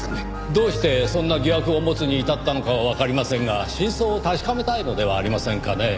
どうしてそんな疑惑を持つに至ったのかはわかりませんが真相を確かめたいのではありませんかねぇ。